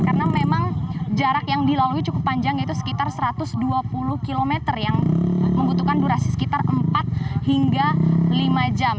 karena memang jarak yang dilalui cukup panjang yaitu sekitar satu ratus dua puluh km yang membutuhkan durasi sekitar empat hingga lima jam